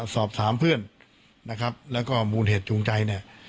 สอบถามเพื่อนนะครับแล้วก็มูลเหตุจูงใจเนี่ย